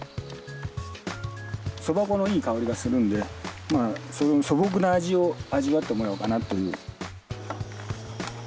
そば粉のいい香りがするんで素朴な味を味わってもらおうかなという。